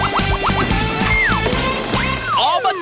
อบจภาษาโลก